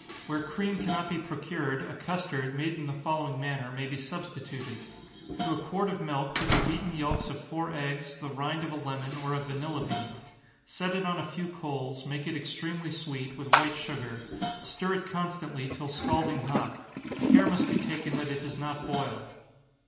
Where cream cannot be procured, a custard, made in the following manner, may be substituted: To a quart of milk put the beaten yelks of four eggs, the rind of a lemon, or a vanilla bean set it on a few coals, make it extremely sweet, with white sugar stir it constantly till scalding hot care must be taken that it does not boil.